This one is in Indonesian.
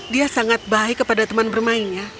dia sangat baik kepada teman bermainnya